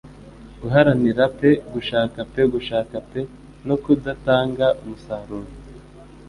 Guharanira pe gushaka pe gushaka pe no kudatanga umusaruro.